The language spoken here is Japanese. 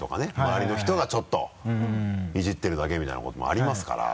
周りの人がちょっといじってるだけみたいなこともありますから。